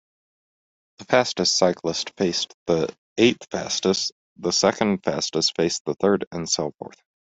The fastest cyclist faced the eighth-fastest, the second-fastest faced the third, and so forth.